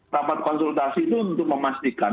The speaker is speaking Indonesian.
rapat konsultasi itu untuk memastikan